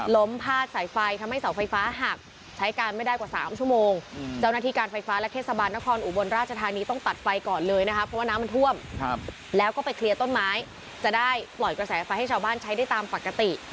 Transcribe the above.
ล้มพลาดสายไฟทำให้เสาไฟฟ้าหัก